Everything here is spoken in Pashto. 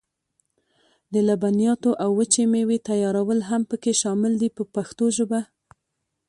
د لبنیاتو او وچې مېوې تیارول هم پکې شامل دي په پښتو ژبه.